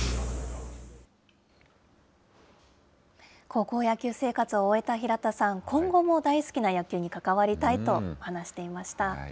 高校野球生活を終えた平田さん、今後も大好きな野球に関わりたいと話していました。